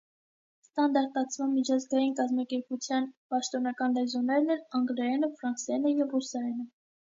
Ստանդարտացման միջազգային կազմակերպության պաշտոնական լեզուներն են անգլերենը, ֆրանսերենը և ռուսերենը։